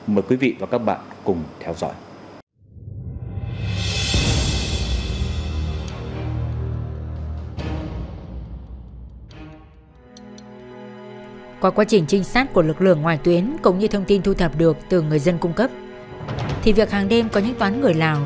mời quý vị và các bạn cùng theo dõi